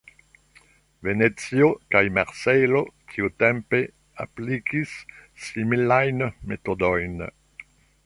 Venecio kaj Marsejlo tiutempe aplikis similajn metodojn.